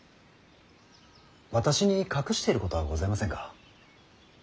私に隠していることはございませんか。